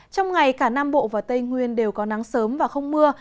trong ngày cả nam bộ và tây nguyên đều có nắng sớm và không mưa